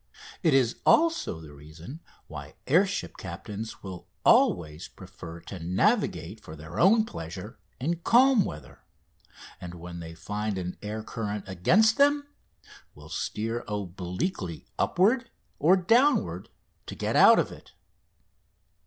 It is also the reason why air ship captains will always prefer to navigate for their own pleasure in calm weather, and, when they find an air current against them, will steer obliquely upward or downward to get out of it.